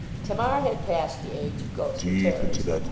Tamar had passed the age of ghostly terrors.